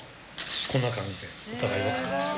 こんな感じです。